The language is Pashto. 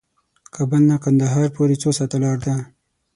کابل نه قندهار پورې څو ساعته لار ده؟